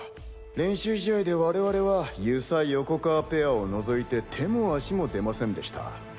練習試合で我々は遊佐・横川ペアを除いて手も足も出ませんでした。